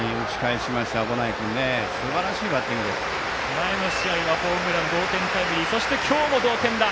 前の試合、ホームラン同点タイムリーそして、今日も同点打。